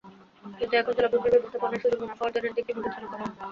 কিন্তু এখন জলাভূমির ব্যবস্থাপনায় শুধু মুনাফা অর্জনের দিকটি বিবেচনা করা হয়।